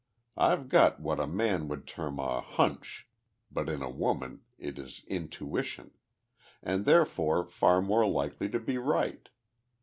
I've got what a man would term a 'hunch,' but in a woman it is 'intuition' and therefore far more likely to be right.